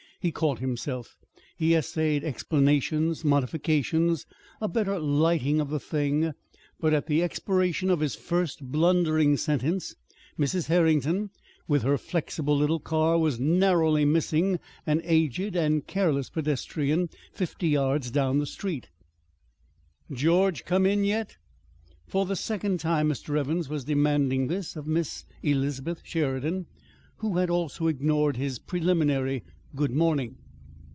He caught himself. He essayed explanations, modifications, a better lighting of the thing. But at the expiration of his first blundering sentence Mrs. Herrington, with her flexible little car, was narrowly missing an aged and careless pedestrian fifty yards down the street. "George come in yet?" For the second time Mr. Evans was demanding this of Miss Elizabeth Sheridan who had also ignored his preliminary "Good morning!"